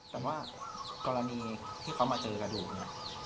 แต่ว่ากรณีที่เขามาเจอกระดูกเนี่ย